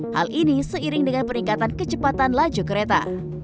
hal ini seiring dengan peningkatan kecepatan laju kereta